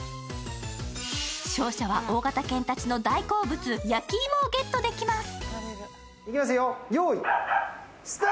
勝者は大型犬たちの大好物、焼き芋をゲットできます。